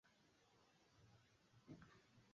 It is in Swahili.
Nachukua fursa hii kuwapongeza waliofika